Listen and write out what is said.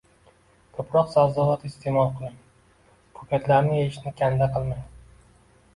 Ko‘proq sabzavot iste’mol qiling, ko‘katlarni yeyishni kanda qilmang